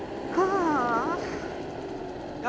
ああ！